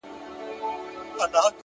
اخلاق د نوم تر شهرت ارزښتمن دي.